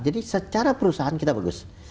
jadi secara perusahaan kita bagus